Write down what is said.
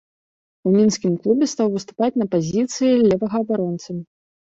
У мінскім клубе стаў выступаць на пазіцыі левага абаронцы.